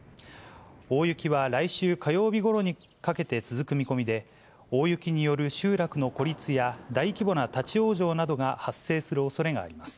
大雪は来週火曜日ごろにかけて続く見込みで、大雪による集落の孤立や、大規模な立往生などが発生するおそれがあります。